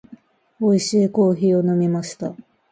美味しいコーヒーを飲みました。